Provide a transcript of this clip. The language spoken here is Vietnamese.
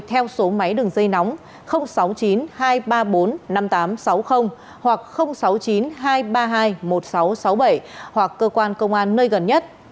theo số máy đường dây nóng sáu mươi chín hai trăm ba mươi bốn năm nghìn tám trăm sáu mươi hoặc sáu mươi chín hai trăm ba mươi hai một nghìn sáu trăm sáu mươi bảy hoặc cơ quan công an nơi gần nhất